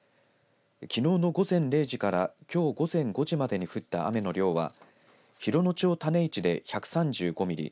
きのうの午前０時からきょう午前５時までに降った雨の量は洋野町種市で１３５ミリ